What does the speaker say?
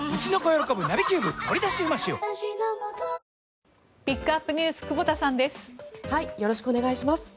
よろしくお願いします。